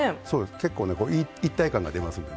結構、一体感が出ますので。